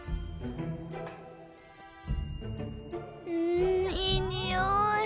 んいいにおい。